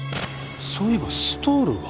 そういえばストールが。